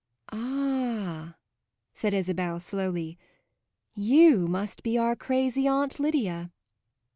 "Ah," said Isabel slowly, "you must be our crazy Aunt Lydia!"